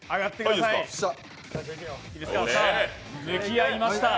向き合いました。